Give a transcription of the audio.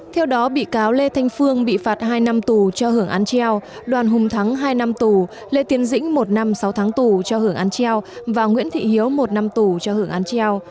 theo đó bị cáo lê thanh phương bị phạt hai năm tù cho hưởng án treo đoàn hùng thắng hai năm tù lê tiến dĩnh một năm sáu tháng tù cho hưởng án treo và nguyễn thị hiếu một năm tù cho hưởng án treo